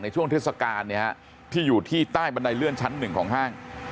ในช่วงเทศกาลเนี่ยที่อยู่ที่ใต้บันไดเลื่อนชั้น๑ของห้าง